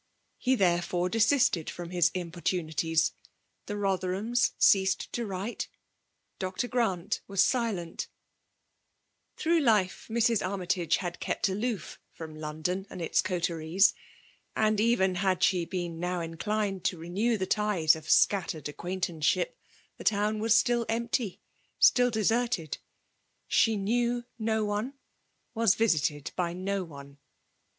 He therefore desisted from his im* portunities — the Rotherhams ceased to write ^Dr. Grant was silent Through life Mrs. Armytage had kept aloof from London and its eoteries ; and even had she been now inchaed to renew the ties of scattered acquaintanceship, the town was still empty — still deserted She knew no one, was visited by no one.